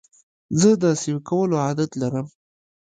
زه د سیو کولو عادت لرم.